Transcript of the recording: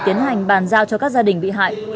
tiến hành bàn giao cho các gia đình bị hại